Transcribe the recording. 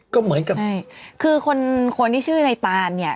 ก็เหมือนกับคือคนคนที่ชื่อในตานเนี่ย